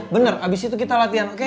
bener abis itu kita latihan oke